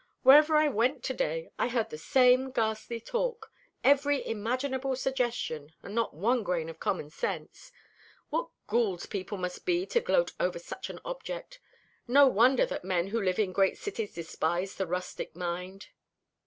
Wherever I went to day I heard the same ghastly talk every imaginable suggestion, and not one grain of common sense. What ghouls people must be to gloat over such a subject! No wonder that men who live in great cities despise the rustic mind."